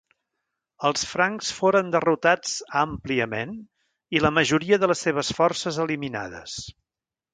Els francs foren derrotats àmpliament i la majoria de les seves forces eliminades.